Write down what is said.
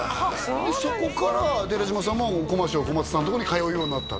そこから寺島さんもこましょう小松さんとこに通うようになったと？